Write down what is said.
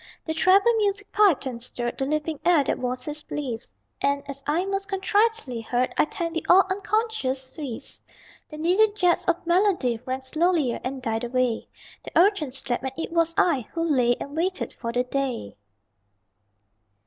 The treble music piped and stirred, The leaping air that was his bliss; And, as I most contritely heard, I thanked the all unconscious Swiss! The needled jets of melody Rang slowlier and died away The Urchin slept; and it was I Who lay and waited for the day.